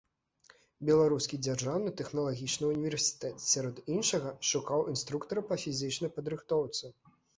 Беларускі дзяржаўны тэхналагічны універсітэт, сярод іншага, шукаў інструктара па фізічнай падрыхтоўцы.